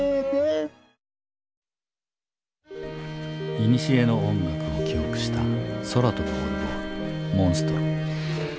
いにしえの音楽を記憶した空飛ぶオルゴール「モンストロ」。